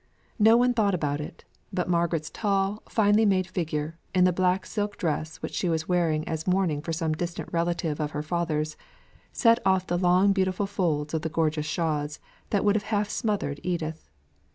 No one thought about it; but Margaret's tall, finely made figure, in the black silk dress which she was wearing as mourning for some distant relative of her father's, set off the long beautiful folds of the gorgeous shawls that would have half smothered Edith.